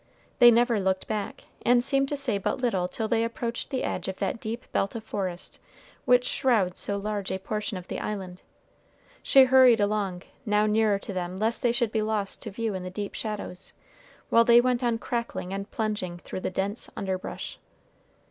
They never looked back, and seemed to say but little till they approached the edge of that deep belt of forest which shrouds so large a portion of the island. She hurried along, now nearer to them lest they should be lost to view in the deep shadows, while they went on crackling and plunging through the dense underbrush.